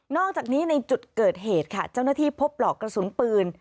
อกจากนี้ในจุดเกิดเหตุค่ะเจ้าหน้าที่พบปลอกกระสุนปืน